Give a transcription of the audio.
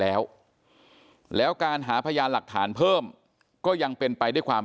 แล้วแล้วการหาพยานหลักฐานเพิ่มก็ยังเป็นไปด้วยความ